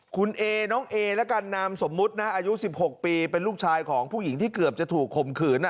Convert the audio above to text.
คุณเอน้องเอละกันนามสมมุตินะอายุ๑๖ปีเป็นลูกชายของผู้หญิงที่เกือบจะถูกข่มขืน